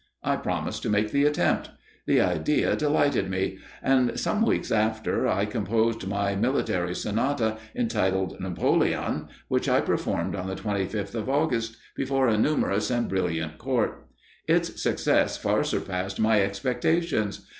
I promised to make the attempt. The idea delighted me; and, some weeks after, I composed my military sonata, entitled "Napoleon," which I performed on the 25th of August, before a numerous and brilliant Court. Its success far surpassed my expectations.